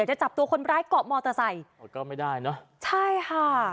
จะจับตัวคนร้ายเกาะมอเตอร์ไซค์โอ้ก็ไม่ได้เนอะใช่ค่ะ